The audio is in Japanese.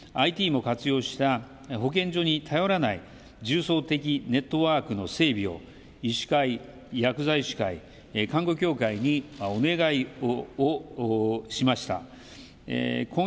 ＩＴも活用した保健所に頼らない重層的ネットワークの整備を医師会、薬剤師会、看護協会にお願いをしました。